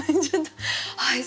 はい。